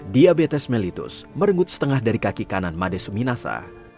diabetes melitus merenggut setengah dari kaki kanan madesuminasa